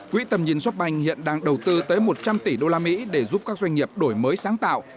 quỹ tầm nhìn shopbank hiện đang đầu tư tới một trăm linh tỷ usd để giúp các doanh nghiệp đổi mới sáng tạo